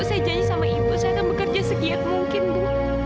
saya janji sama ibu saya akan bekerja segiat mungkin bu